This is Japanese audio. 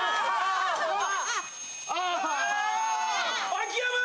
秋山。